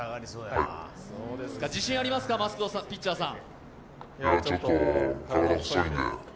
自信ありますか、マスク・ド・ピッチャーさん。